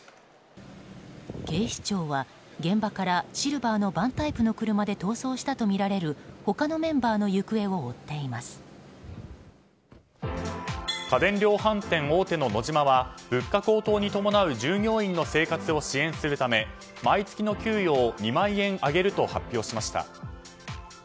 警視庁は現場からシルバーのバンタイプの車で逃走したとみられる他のメンバーの行方を家電量販店大手のノジマは物価高騰に伴う従業員の生活を支援するため毎月の給与を２万円上げると発表しました。